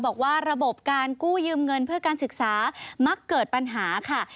บอกว่าระบบการกู้ยืมเงินเพื่อการศึกษามักเกิดปัญหาค่ะ